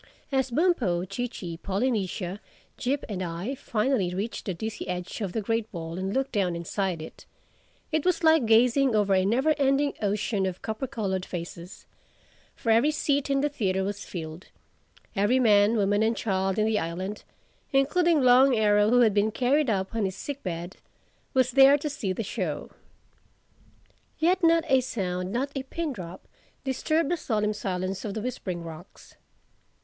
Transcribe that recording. As Bumpo, Chee Chee, Polynesia, Jip and I finally reached the dizzy edge of the great bowl and looked down inside it, it was like gazing over a never ending ocean of copper colored faces; for every seat in the theatre was filled, every man, woman and child in the island—including Long Arrow who had been carried up on his sick bed—was there to see the show. Yet not a sound, not a pin drop, disturbed the solemn silence of the Whispering Rocks.